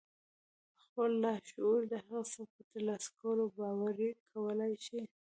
خپل لاشعور د هغه څه په ترلاسه کولو باوري کولای شئ.